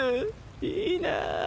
いいなぁ。